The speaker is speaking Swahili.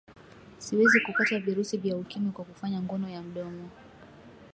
siwezi kupata virusi vya ukimwi kwa kufanya ngono ya mdomo